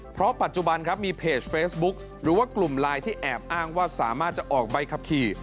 เพราะปัจจุบันครับมีเพจเฟซบุ๊คหรือว่ากลุ่มไลน์ที่แอบอ้างว่าสามารถจะออกใบขับขี่